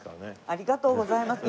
ありがとうございます。